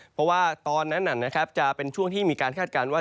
เพราะว่าตอนนั้นจะเป็นช่วงที่มีการคาดการณ์ว่า